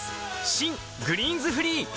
新「グリーンズフリー」